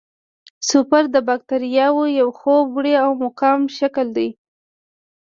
سپور د باکتریاوو یو خوب وړی او مقاوم شکل دی.